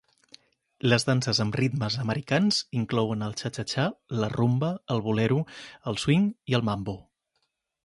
Les danses amb ritmes americans inclouen el txa-txa-txa, la rumba, el bolero, el swing i el mambo.